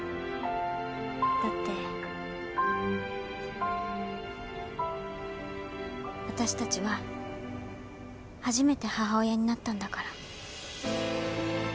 だってわたしたちは初めて母親になったんだから。